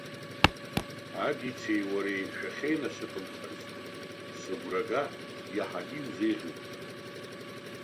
Адицеи уареи шәахьеинасыԥымхаз, сыгәра га, иаҳагьы иузеиӷьуп.